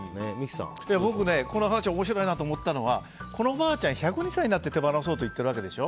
僕はこの話が面白いなと思ったのはこのおばあちゃんは１０２歳になって手放そうって言ってるわけでしょ。